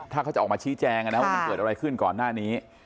ถ้าเขาจะออกมาชี้แจงว่ามันเกิดอะไรขึ้นก่อนหน้านี้